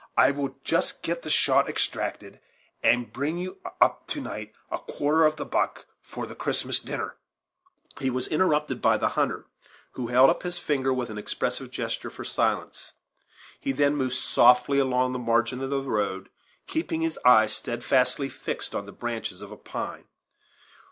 "I will just get the shot extracted, and bring you up to night a quarter of the buck for the Christmas dinner." He was interrupted by the hunter, who held up his finger with an expressive gesture for silence. He then moved softly along the margin of the road, keeping his eyes steadfastly fixed on the branches of a pine.